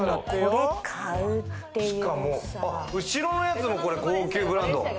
後ろのやつも高級ブランド。